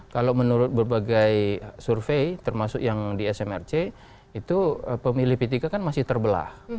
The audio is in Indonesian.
kalau menurut berbagai survei termasuk yang di smrc itu pemilih p tiga kan masih terbelah